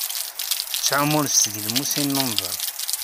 Ttɛumun s tgelmusin n unḍab.